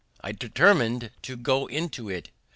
I determined to go into it.